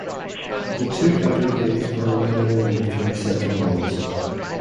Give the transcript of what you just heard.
The two outer bays are wider than the three central ones.